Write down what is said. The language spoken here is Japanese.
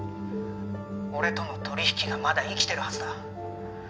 俺との取引がまだ生きてるはずだ